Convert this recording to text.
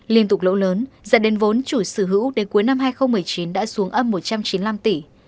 liên tục lỗ lớn dẫn đến vốn chủ sở hữu đến cuối năm hai nghìn một mươi chín đã xuống âm một trăm chín mươi năm tỷ